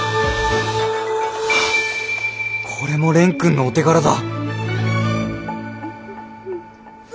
これも蓮くんのお手柄だ。